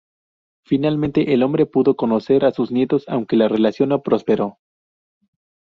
Finalmente, el hombre pudo conocer a sus nietos aunque la relación no prosperó.